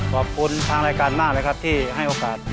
ขอบคุณทางรายการมากเลยครับที่ให้โอกาส